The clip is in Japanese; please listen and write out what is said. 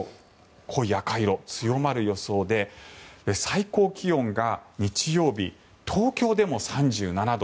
濃い赤い色強まる予想で、最高気温が日曜日、東京でも３７度。